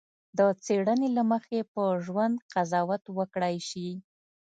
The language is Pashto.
د څېړنې له مخې په ژوند قضاوت وکړای شي.